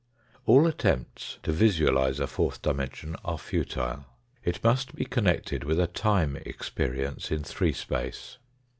All attempts to visualise a fourth dimension are futile. It must be connected with a time experience in three space.